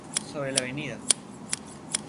Sobre la Av.